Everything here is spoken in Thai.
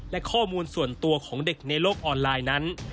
และข้อมูลส่วนตัวของเด็กในโลกออนไลน์นั้น